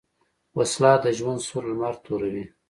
وسله د ژوند سور لمر توروي